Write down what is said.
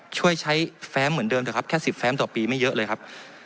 ช่วยใช้แฟมเหมือนเดิมเถอะครับแค่๑๐แฟ้มต่อปีไม่เยอะเลยครับ